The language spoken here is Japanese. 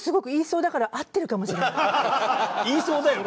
でも言いそうだよね。